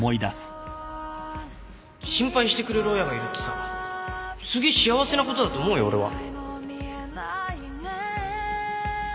心配してくれる親がいるってさすげえ幸せなことだと思うよ俺は